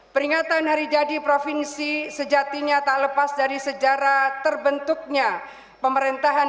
peringatan hari jadi provinsi sejatinya tak lepas dari sejarah terbentuknya pemerintahan